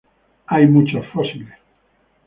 Hay muchos fósiles.